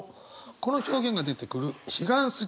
この表現が出てくる「彼岸過迄」。